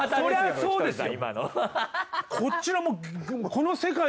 そうですね。